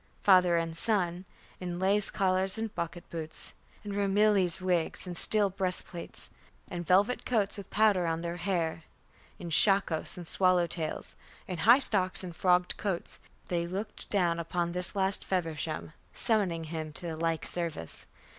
Father and son, in lace collars and bucket boots, in Ramillies wigs and steel breastplates, in velvet coats, with powder on their hair, in shakos and swallow tails, in high stocks and frogged coats, they looked down upon this last Feversham, summoning him to the like service.